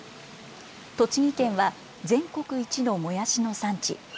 栃木県は全国一のもやしの産地。